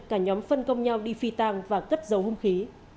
cả nhóm phân công nhau đi phi tàng và cất dấu hung khí